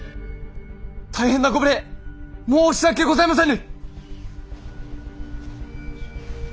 大変なご無礼申し訳ございませぬ！